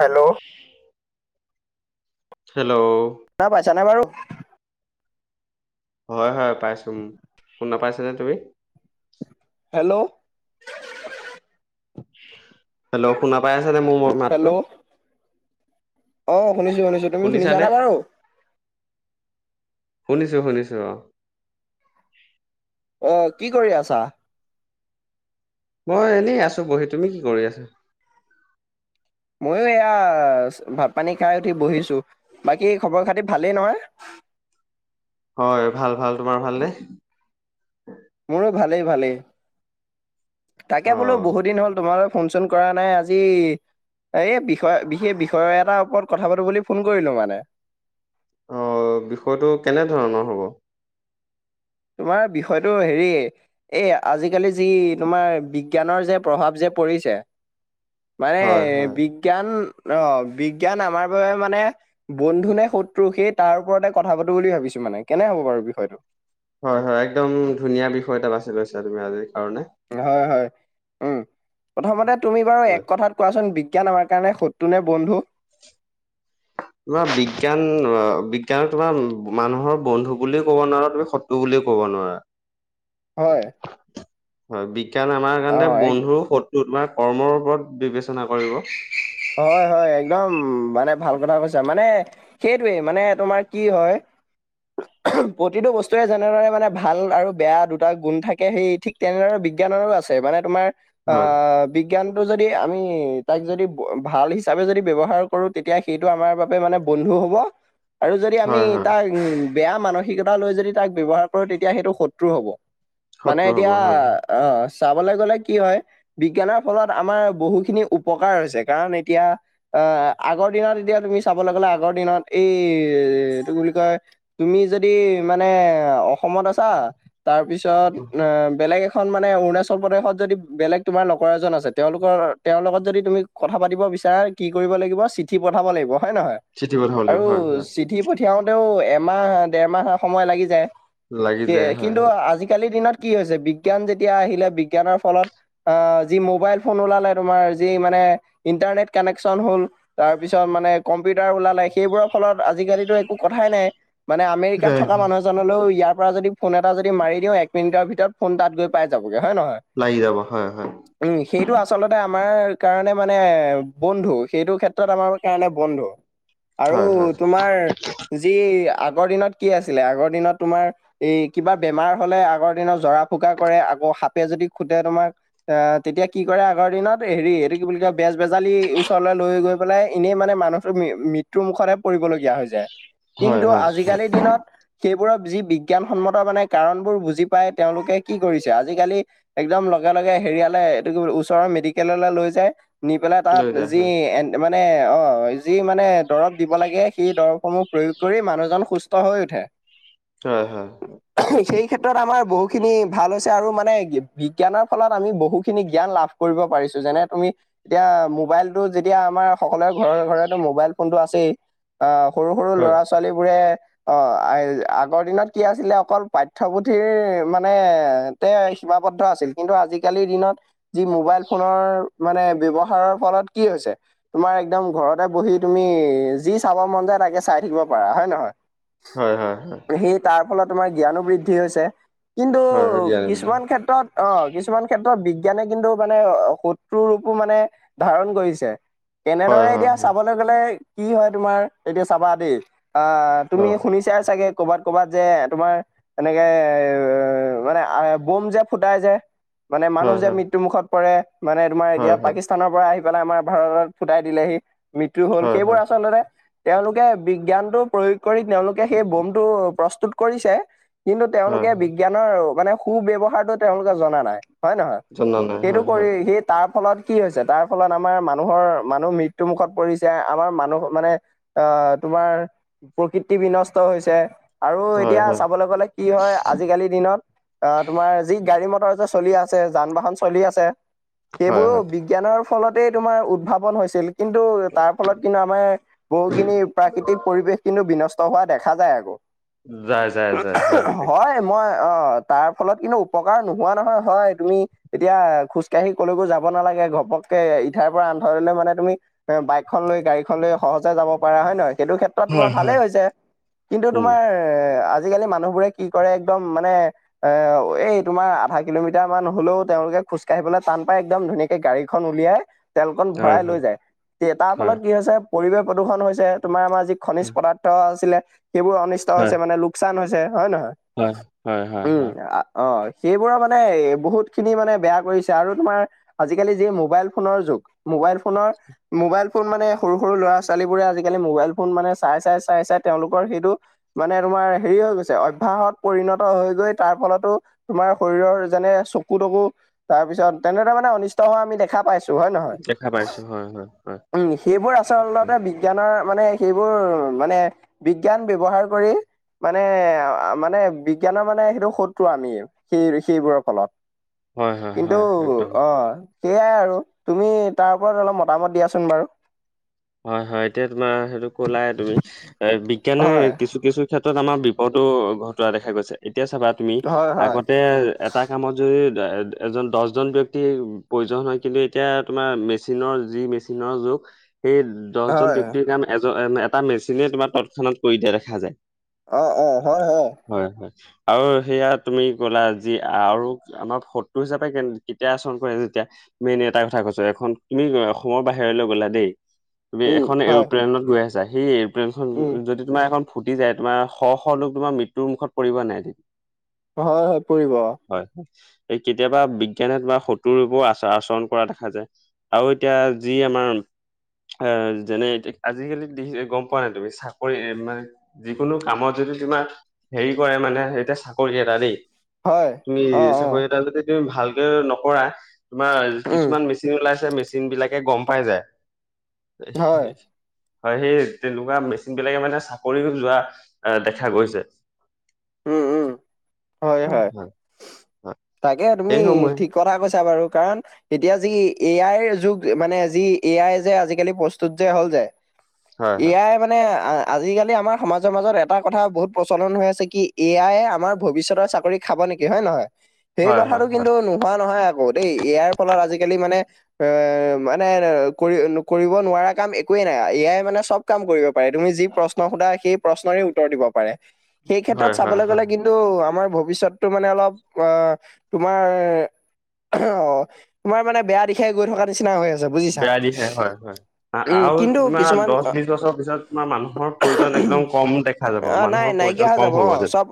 Hello? [inaudible] Hello? শুনা পাইছা নে বাৰু? হয়, হয়, পাইছো, উ, শুনা পাইছানে তুমি? হেল্ল'? হেল্ল শুনা পাই আছানে মোৰ ম হেল্ল' মাতটো অ', শুনিছো শুনিছো, তুমি শুনিছানে বাৰু? শুনিছোঁ শুনিছো অ'। অ', কি কৰি আছা? মই এনেই আছো বহি তুমি কি কৰি আছা? ময়ো এয়া ভাত পানী খাই উঠি বহিছো, বাকী খবৰ-খাতি ভালেই নহয়? হয়, ভাল ভাল তোমাৰ ভাল নে? মোৰো ভালেই ভালেই, অ তাকে বোলো বহুত দিন হ'ল তোমালৈ ফোন-চোন কৰা নাই আজি এই বিষয় বিশেষ বিষয় এটাৰ ওপৰত কথা পাতো বুলি ফোন কৰিলো মানে। অ', বিষয়টো কেনে ধৰণৰ হ'ব? তোমাৰ বিষয়টো হেৰি এই আজিকালি যি তোমাৰ বিজ্ঞানৰ যে, প্ৰভাৱ যে পৰিছে। মানে হয় হয় বিজ্ঞান অ', বিজ্ঞান আমাৰ বাবে মানে বন্ধু নে শত্ৰু সেই তাৰ ওপৰতে কথা পাতো বুলি ভাবিছো মানে, কেনে হ'ব বাৰু বিষয়টো? হয়, হয়, একদম ধুনীয়া বিষয় এটা বাছি লৈছা তুমি আজিৰ কাৰণে। হয়, হয়, উম, প্ৰথমতে তুমি বাৰু হয় এক কথাত কোৱাচোন বিজ্ঞান আমাৰ কাৰণে শত্ৰু নে বন্ধু? তোমাৰ বিজ্ঞান অ', বিজ্ঞানৰ তোমাৰ মানুহৰ বন্ধু বুলিও ক'ব নোৱাৰা তুমি শত্ৰু বুলিও ক'ব নোৱাৰা। হয়। হয়, বিজ্ঞান আমাৰ অ কাৰণে এক বন্ধু শত্ৰু তোমাৰ কৰ্মৰ ওপৰত বিবেচনা কৰিব। হয়, হয়, একদম মানে ভাল কথা কৈছা, মানে সেইটোৱে মানে তোমাৰ কি হয়? প্ৰতিটো বস্তুৰে যেনেদৰে মানে ভাল আৰু বেয়া দুটা গুণ থাকে সেই ঠিক তেনেদৰে বিজ্ঞানৰো আছে মানে তোমাৰ হয় আহ, বিজ্ঞানতটো যদি আমি তাক যদি ভাল হিচাপে যদি ব্যৱহাৰ কৰো তেতিয়া সেইটো আমাৰ বাবে মানে বন্ধু হ'ব। আৰু যদি আমি হয় হয় তাক বেয়া মানসিকতা লৈ যদি তাক ব্যৱহাৰ কৰো তেতিয়া সেইটো শত্ৰু হ'ব। মানে শত্ৰু হ'ব এতিয়া হয় হয়। অ', চাবলৈ গ'লে কি হয়, বিজ্ঞানৰ ফলত আমাৰ বহুখিনি উপকাৰ হৈছে। কাৰন এতিয়া আহ আগৰ দিনত এতিয়া তুমি চাবলৈ গ'লে আগৰ দিনত এই এইটো বুলি কয়? তুমি যদি মানে অসমত আছা তাৰপিছত এ বেলেগ এ খন মানে অৰুণাচল প্ৰদেশত যদি বেলেগ তোমাৰ লোগৰ এজন আছে তেওঁলোকৰ তেওঁৰ লগত যদি তুমি কথা পাতিব বিচাৰা কি কৰিব লাগিব চিঠি পঠাব লাগিব হয় নে নহয়? চিঠি পঠাব লাগিব আৰু হয় হয় চিঠি পঠ থিয়াওঁতেও এমাহ দেৰমাহ সময় লাগি যায়, লাগি যায় হয় কিন্তু হয় আজিকালি দিনত কি হৈছে বিজ্ঞান যেতিয়া আহিলে বিজ্ঞানৰ ফলত আ যি মোবাইল ফোন ওলালে তোমাৰ যি মানে ইণ্টাৰনেট কানেকচন হ'ল তাৰ পিছত মানে কম্পিউটাৰ ওলালে, সেইবোৰৰ ফলত আজিকালিতো একো কথাই নাই। মানে আমেকাত যায় থকা হয় মানুহ জনলও ইয়াৰ পৰা যদি ফোন এটা যদি মাৰি দিওঁ এক মিনিটৰ ভিতৰত ফোন তাত গৈ পাই যাবগে, হয় নে নহয়? লাগি যাব হয় হয়। উম সেইটো আচলতে আমাৰ কাৰণে মানে বন্ধু সেইটো ক্ষেত্ৰত আমাৰ কাৰণে বন্ধু। আৰু হয় হয় তোমাৰ যি আগৰ দিনত কি আছিলে আগৰ দিনত তোমাৰ এই কিবা বেমাৰ হলে আগৰ দিনত জৰা ফুকা কৰে আকৌ সাপে যদি খুটে তোমাক আ তেতিয়া কি কৰে আগৰ দিনত হেৰি এইটো কি বুলি কয় বেজ বেজালি ওচৰলৈ লৈ গৈ পেলাই এনেই মানে মানুহটোক মৃ ত্যু মুখতে পৰিবলগীয়া হৈ যায় হয় কিন্তু হয় হয় আজিকালিৰ দিনত সেইবোৰৰ যি বিজ্ঞানসন্মত মানে কাৰণবোৰ বুজি পাই তেওঁলোকে কি কৰিছে আজিকালি একদম লগে লগে হেৰিয়ালে এইটো ওচৰৰ মেডিকেললৈ লৈ যায়। নি পেলাই তাত লৈ যায় যি হয় এন মানে অ যি মানে দৰৱ দিব লাগে সেই দৰৱসমূহ প্ৰয়োগ কৰি মানুহজন সু ষ্ট হৈ উঠে। হয় হয়। সেই খিনী ক্ষেত্ৰত আমাৰ বহুখিনি ভাল হৈছে আৰু মানে বিজ্ঞানৰ ফলত আমি বহুখিনি জ্ঞান লাভ কৰিব পাৰিছো, যেনে তুমি এতিয়া মোবাইলতটো যেতিয়া আমাৰ সকলোৰে ঘৰে ঘৰে মোবাইল ফোনটো আছেই। আহ সৰু সৰু হয় ল'ৰা ছোৱালীবোৰে অ আগৰ দিনত কি আছিলে অকল প্ৰথপুঠিৰ মানে তে সীমাবদ্ধ আছিল কিন্তু আজিকালিৰ দিনত যি মোবাইল ফোনৰ মানে ব্যৱহাৰৰ ফলত কি হৈছে। তোমাৰ একদম ঘৰতে বহি তুমি যি চাব মন যায় তাকে চাই থাকিব পাৰা, হয় নে নহয়? হয় হয় হয়। সেই তাৰ ফলত তোমাৰ জ্ঞানো বৃদ্ধি হৈছে কিন্তু হয় হয় হয় জ্ঞান বুদ্ধি কিছুমান ক্ষেত্ৰত অ কিছুমান ক্ষেত্ৰত বিজ্ঞানে কিন্তু মানে শত্ৰুৰূপ কোঁ মানে ধাৰণ কৰিছে, হয় এনেদৰে হয় এতিয়া হয়। চাব ত গলে কি হয় তোমাৰ এতিয়া চাবা দেই আ অ তুমি শুনি ছা ছাগে ক'বাত ক'বাত যে তোমাৰ এনেকে মানে আ বোম যে ফুটাই যে মানে মানুহ হয় যে হয় মৃত্যুমুখত পৰে, মানে তোমাৰ হয় এতিয়া হয় স্থানৰ পৰা আহি পেলাই আমাৰ ভাৰতত ফুটাই দিলেহি মৃত্যু হল, হয় সেইবোৰ হয় আচলতে তেওঁলোকে বিজ্ঞানটো প্ৰয়োগ কৰি তেওঁলোকে সেই বোমটো প্ৰস্তুত কৰিছে কিন্তু হয় তেওঁলোকে হয় বিজ্ঞানৰ মানে সু ব্যৱহাৰটো তেওঁলোকে জনা নাই। হয় নহয়, জনা নাই সেইটো হয় কৰি হয় সেই তাৰ ফলত কি হৈছে, তাৰ ফলত আমাৰ মানুহৰ মানুহ মৃত্যু মুুখত পৰিছে, আমাৰ মানুহ মানে অ তোমাৰ প্ৰকৃতি বিনষ্ট হৈছে। আৰু হয় এতিয়া হয় চাবলৈ গলে কি হয় আজিকালি দিনত আ তোমাৰ যি গাড়ী মটৰ যে চলি আছে যান বাহন চলি আছে হয় সেইবোৰো হয় বিজ্ঞানৰ ফলতেই তোমাৰ উদ্ভাৱন হৈছিল। কিন্তু তাৰ ফলত কিন্তু আমাৰ বহুখিনি প্ৰাকৃতিক পৰিৱেশ কিন্তু বিনষ্ট হোৱা দেখা যায় আকৌ। যায়, যায়, যায়, হয়। ঐ মই অ' তাৰ ফলত কিন্তু উপকাৰ নোহোৱা নহয়, হয় তুমি। এতিয়া খোজকাঢ়ি কলৈকো যাব নালাগে, ঘপককে ইঠাইৰ পৰা আনঠইলে মানে তুমি বাইকখন লৈ, গাড়ীখন লৈ সহজে যাব পাৰা হয় নহয়, সেইটো ক্ষেত্ৰ ত' তোমাৰ হয় হয় ভালেই হৈছে, কিন্তু উম তোমাৰ আজিকালি মানুহবোৰে কি কৰে, একদম মানে এ এই তোমাৰ আধা কিলোমিটাৰ মান হলেও তেওঁলোকে খোজকাঢ়িবলে টান পায়, একদম ধুনীয়া এ গাড়ীখন উলিয়াই তেলকন হয় ভৰাই লৈ হয় যায়, তে তাৰ হয় ফলত কি হৈছে। পৰিৱেশ প্ৰদূষণ হৈছে, তোমাৰ আমাৰ যি খনিজ হয় পদাৰ্থ আছিলে, সেইবোৰ অনিষ্ট হয় হৈছে মানে লোক চান হৈছে হয় নহয়? হয়, হয়, হয়, উম, হয়। আ- অ' সেইবোৰৰ মানে বহুত খিনি মানে বেয়া কৰিছে আৰু তোমাৰ আজিকালি যি মোবাইল ফোনৰ যুগ, মোবাইল ফোনৰ মোবাইল ফোন মানে, সৰু সৰু ল'ৰা ছোৱালীবোৰে আজিকালি মোবাইল ফোন মানে চাই, চাই, চাই, চাই তেওঁলোকৰ সেইটো মানে তোমাৰ হেৰি হৈ গৈছে, অভ্যাসত পৰিণত হৈ গৈ তাৰ ফলতো তোমাৰ শৰীৰৰ যেনে চকু, তকু তাৰ পিছত তেনেদৰে মানে অনিষ্ট হোৱা আমি দেখা পাইছো। হয় নহয়, দেখা পাইছো হয় হয় হয় উম' সেইবোৰ হয় আচলতে বি জ্ঞানৰ মানে সেইবোৰ মানে বিজ্ঞান ব্যৱহাৰ কৰি মানে, মানে বিজ্ঞানৰ মানে সেইটো শত্ৰু আমি। সেই ঋষিবোৰৰ ফলত, হয় হয় কিন্তু হয় একদম অ সেয়াই আৰু তুমি তাৰ ওপৰত অলপ মতামত দিয়াচোন বাৰু? হয়, হয় এতিয়া তোমাৰ সেইটো কলাই তুমি, এ বিজ্ঞানৰ হয়, কিছু কিছু ক্ষেত্ৰত আমাৰ বিপদো ঘটোৱা দেখা গৈছে, এতিয়া চাবা তুমি হয়, হয়, আগতে এ এটা কামত যদি এজন দহজন ব্যক্তিৰ প্ৰয়োজন হয়, কিন্তু এতিয়া তোমাৰ মেচিনৰ যি মেচি চিনৰ যুগ। সেই দহজন হয়, ব্যাক্তিৰ কাম এটা মেচিনে তোমাক তৎক্ষণাত কৰি দিয়া দেখা যায়। অ'অ' হয়, হয়। হয়, হয়। আৰু সেয়া তুমি কলা যি আৰু আমাক শত্ৰু হিচাপে কেতিয়া আচৰণ কৰে যেতিয়া মেইন এটা কথা কৈছো, এখন তুমি অসমৰ বাহিৰলে গ'লা দেই তুমি উম, এখন হয়, এৰপ্লেনত গৈ আছা, সেই এৰপ্লেনখন উম, যদি তোমাৰ এখন ফুটি যায়, তোমাৰ শ শ লোক তোমাৰ মৃত্যুৰ মুখত পৰিব নাই হয়, হয় পৰিব। হয়, এ কেতিয়াবা বিজ্ঞানে তোমাৰ শত্ৰুৰূপেও আচৰণ কৰা দেখা যায়। আৰু এতিয়া যি আমাৰ অ', যেনে আজিকালি নিজে গম পোৱা নাই, তুমি চাকৰি ইমান যিকোনো কামত যদি তোমাৰ, হেৰি কৰে মানে, এতিয়া চাকৰি এটা দেই। হয়, তুমি অ', চাকৰি অ', কেটালৈকে তুমি ভালকে নকৰা, তোমাৰ উম, কিছুমান মেচিন ওলাইছে মেচিন বিলাকে গম পাই যায়। হয়, [inaudible] হয়' সেই তেনেকুৱা মেচিন বিলাকে মানে চাকৰিও, যোৱা দেখা গৈছে। উম, উম, অ', হয় ', হয়। তাকে তুমি, এইসমূহে ঠিক কথা কৈছা বাৰু কাৰণ এতিয়া যি এ আইৰ যুগ, মানে যি এ আই যে আজিকালি প্ৰস্তুত যে হ'ল যে হয় এ হয় আই মানে আহ, আজিকালি আমাৰ সমাজৰ মাজত এটা কথা বহুত প্ৰচলন হৈ আছে, কি এ আইয়ে আমাৰ ভৱিষ্যতৰ চাকৰি খাব নেকি হয় নহয়। সেই হয় হয় কথাটো হয় কিন্তু নোহোৱা নহয় আকৌ দেই এই আইৰ ফলত আজিকালি মানে এ মানে কৰি কৰিব নোৱাৰা কাম একোৱেই নাই এ আই মানে চব কাম কৰিব পাৰে তুমি যি প্ৰশ্ন সুধা সেই প্ৰশ্নৰে উত্তৰ দিব পাৰে। সেই ক্ষেত্ৰত হয় হয় চাবলৈ হয় গ'লে কিন্ তু আমাৰ ভৱিষ্যতটো মানে অলপ, আ, তোমাৰ অ' তোমাৰ মানে বেয়া দিশ সে গৈ থকাৰ নিচিনা হৈ আছে বুজিছা, বেয়া দিশে হয় হয়। আ- উম' কিন্তু কিছুমান আমাৰ মানুহৰ প্ৰয়োজন একদম কম দেখা যাব। অ নাই মানুহৰ নাইকিয়া প্ৰয়োজন হৈ কম যাব অ হ'ব যে চব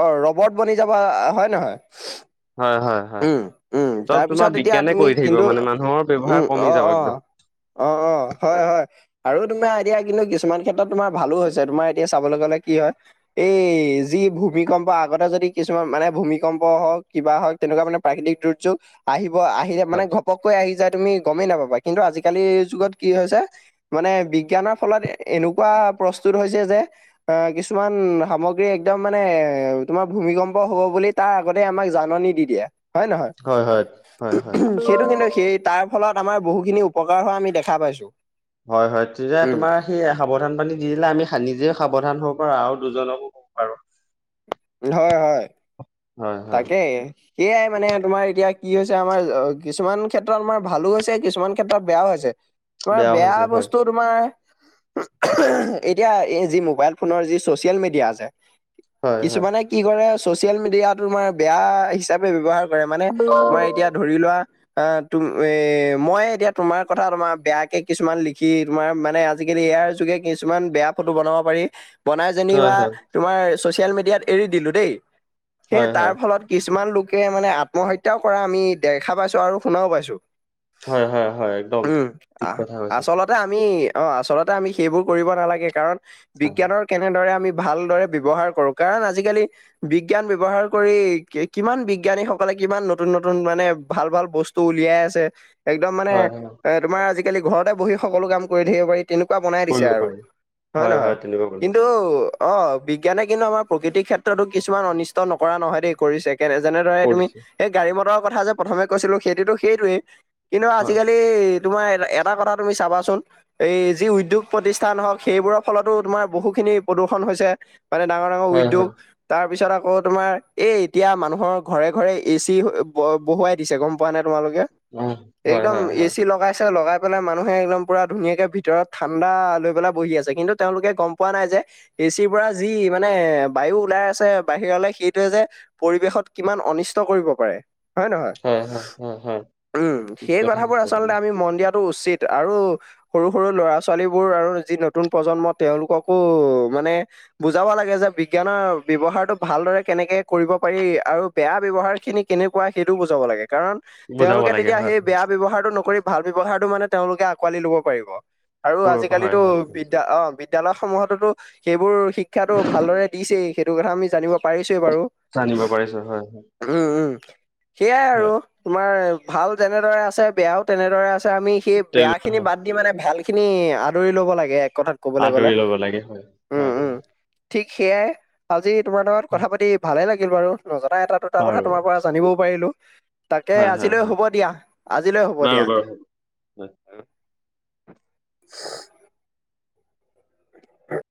অ', ৰবট বনি যাবা আ হয় নহয় হয়', হয়', হয়। উম উম চব তাৰপিছত তোমাৰ এতিয়া বিজ্ঞানে তুমি কৰি থাকিব কিন্তু মানে মানুহৰ উম ব্যৱহাৰ কমি অ যাব অ একদম অ', অ' হয়', হয়। আৰু তোমাৰ এতিয়া কিন্তু কিছুমান ক্ষেত্ৰত তোমাৰ ভালো হৈছে। তোমাৰ এতিয়া চাবলে গ'লে কি হয় এই, যি ভূমিকম্প আগতে যদি কিছুমান মানে ভূমিকম্প হওঁক কিবা হওঁক তেনেকুৱা মানে প্ৰাকৃতিক দুৰ্যোগ, আহিব আহিলে মানে ঘপ ঘপককৈ আহি যায় তুমি গমেই নাপাবা। কিন্তু আজিকালিৰ যুগত কি হৈছে মানে বিজ্ঞানৰ ফলত এ এনেকুৱা প্ৰস্তুত হৈছে যে অ', কিছুমান সামগ্ৰী একদম মানে তোমাৰ ভূমিকম্প হ'ব বুলি তাৰ আগতে আমাক জাননী দি দিয়ে হয় নহয়। হয় হয় হয় হয়। সেইটো কিন্তু সেই তাৰ ফলত আমাৰ বহুখিনি উপকাৰ হোৱা আমি দেখা পাইছোঁ। হয়', হয়। তেতিয়া তোমাৰ সেই সাৱধান বানী দি দিলে, আমি সা নিজেও সাৱধান হ'ব পাৰো আৰু দুজনকো ক'ব পাৰো হয়', হয়। হয় হয় তাকেই, এই আই মানে তোমাৰ এতিয়া, কি হৈছে আমাৰ কিছুমান ক্ষেত্ৰত আমাৰ ভালো হৈছে। কিছুমান ক্ষেত্ৰত বেয়াও হৈছে। তোমাৰ বেয়াও বেয়া হৈছে হয় বস্তুত তোমাৰ এতিয়া এই যি মোবাইল ফোনৰ যি চচিয়েল মিডিয়া আছে হয় হয়। কিছুমানে কি কৰে, ছচিয়েল মিডিয়াটো তোমাৰ বেয়া হিচাপে ব্যৱহাৰ কৰে মানে, তোমাৰ এতিয়া ধৰি লোৱা, এ, তুম এ মইয়ে এতিয়া তোমাৰ কথা তোমাৰ বেয়াকে কিছুমান লিখি তোমাৰ মানে আজিকালি এ আৰ যোগে কিছুমান বেয়া ফটো বনাব পাৰি বনাই হয়, যেনিবা, হয়, তোমাৰ ছচিয়েল মিডিয়াত এৰি দিলোঁ দেই, সে হয়, হয়, তাৰ ফলত কিছুমান লোকে মানে আত্মহত্যাও কৰা আমি দেখা পাইছোঁ আৰু শুনাও পাইছোঁ। হয়', হয়' হয়। একদম ঠিক আহ কথা কৈছা। আচলতে আমি অ' আচলতে আমি সেইবোৰ কৰিব নালাগে, কাৰণ হয়, বিজ্ঞানৰ কেনেদৰে আমি ভালদৰে ব্যৱহাৰ কৰোঁ কাৰণ আজিকালি বি বিজ্ঞান ব্যৱহাৰ কৰি কি কিমান বিজ্ঞানীসকলে কিমান নতুন নতুন মানে ভাল ভাল বস্ টো উলিয়াই আছে। একদম মানে, হয়, হয়, এ তোমাৰ আজিকালি ঘৰতে বহি সকলো কাম কৰি থাকিব পাৰি। তেনেকুৱা বনাই দিছে কৰিব আৰু, পাৰি। হয় নহয়- কিন্তু, অ', বিজ্ঞানে কিন্তু আমাৰ প্ৰকৃতিৰ ক্ষেত্ৰতো কিছুমান অনিষ্ট নকৰা নহয় দেই কৰিছে। কেনে যেনেদৰে তুমি, কৰিছে। সেই গাড়ী মটৰৰ কথা যে প্ৰথমে কৈছিলো সেইটোতো সেইটোৱেই। কিন্তু হয়, আজিকালি তোমাৰ এটা এটা কথা তুমি চাবাচোন এই যি উদ্যোগ প্ৰতিষ্ঠান হওক সেইবোৰৰ ফলতো তোমাৰ বহু খিনি প্ৰদূ্ষন হৈছে। মানে ডাঙৰ ডাঙৰ হয়, উদ্যোগ হয়, তাৰ পিছত আকৌ তোমাৰ এ এতিয়া মানুহৰ ঘৰে ঘৰে এ চি বহুৱাই দিছে গম পোৱা নে তোমালোকে পাও একদম এ চি লগাইছে লগাই পেলাই মানুহে একদম পূৰা ধুনীয়াকৈ ভিতৰত ঠাণ্ডা লৈ পেলাই বহি আছে কিন্তু। তেওঁলোকে গম পোৱা নাই যে এচিৰ পৰা যি মানে বায়ু ওলাই আছে। আছে বাহিৰলে সেইটোয়ে যে পৰিৱেশত কিমান অনিষ্ট কৰিব পাৰে। হয়নে নহয় হয়, হয়, হয়, হয়, উম ঠিক সেই কথা কথাবোৰ কৈছা তুমি। আচলতে আমি মন দিয়া-। টো উচিত আৰু। সৰু সৰু ল'ৰা ছোৱালীবোৰ আৰু যি নতুন প্ৰজন্ম তেওঁলোককো মানে। বুজাব লাগে যে বিজ্ঞানৰ। ব্যৱহাৰটো ভালদৰে কেনেকৈ কৰিব পাৰি আৰু বেয়া ব্যৱহাৰখিনি কেনেকুৱা সেইটোও বুজাব লাগে কাৰণ। বুজাব তেওঁলোকে লাগে তেতিয়া হয়, সেই বেয়া ব্যৱহাৰটো নকৰি ভাল ব্যৱহাৰটো মানে তেওঁলোকে আঁকোৱালি লব পাৰিব। আৰু কৰিব হয়, আজিকালিতো হয়, হয়। বিদ্যা অ বিদ্যালয় সমূহতোতো সেইবোৰ। শিক্ষাটো ভালদৰে দিছেই সেইটো কথা আমি জানিব পাৰিছোৱে বাৰু। জানিব পাৰিছো হয়, হয়, উম উম সেইয়াই আৰু। হয়। তোমাৰ ভাল যেনেদৰে আছে বেয়াও তেনেদৰে আছে আমি সেই তেল বেয়া খিনি হয়, বাদ। মানে ভাল খিনি আদৰি লব লাগে এক কথাত ক'বলৈ গ'লে আদৰি ল'ব লাগে হয়, উম হয়, উম। হয়। ঠিক সেয়াই আজি তোমাৰ লগত হয়, কথা পাতি ভালে লাগিল বাৰু নজনা এটা। দুটা বাৰু কথা তোমাৰ পৰা জানিবও পাৰিলো তাকে হয়, হয়, আজিলৈ হয়, হ'ব দিয়া আজিলৈ হ'ব বাৰু, দিয়া। বাৰু, হয়। [unintelligible] [inaudible]